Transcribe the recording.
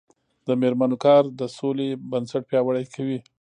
د میرمنو کار د سولې بنسټ پیاوړی کوي.